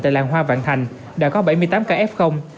tại làng hoa vạn thành đã có bảy mươi tám ca f